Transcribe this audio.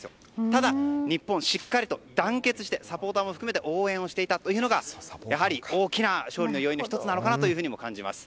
ただ、日本はしっかりと団結してサポーターも含めて応援していたというのが大きな勝利の要因の１つなのかなとも感じます。